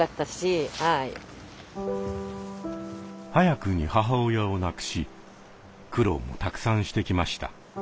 早くに母親を亡くし苦労もたくさんしてきました。